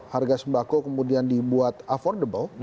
harga sembako kemudian dibuat affordable